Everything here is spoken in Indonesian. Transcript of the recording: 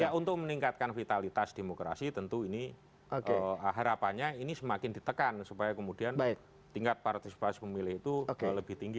ya untuk meningkatkan vitalitas demokrasi tentu ini harapannya ini semakin ditekan supaya kemudian tingkat partisipasi pemilih itu lebih tinggi